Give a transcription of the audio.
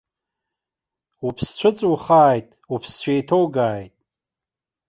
Уԥсцәа ыҵухааит, уԥсцәа еиҭоугааит!